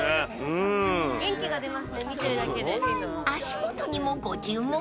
［足元にもご注目］